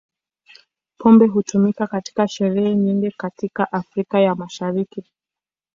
Pombe hutumika katika sherehe nyingi katika Afrika ya Mashariki.